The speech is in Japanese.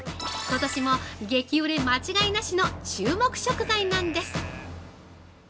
今年も激売れ間違いなしの注目食材なんです！